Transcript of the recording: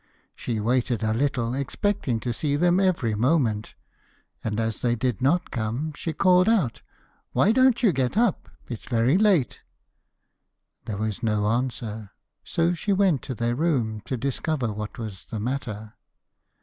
She waited a little, expecting to see them every moment, and as they did not come she called out, 'Why don't you get up? it is very late.' There was no answer, so she went to their room to discover what was the matter.